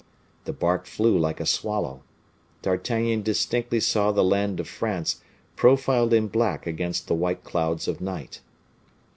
The bark flew like a swallow. D'Artagnan distinctly saw the land of France profiled in black against the white clouds of night.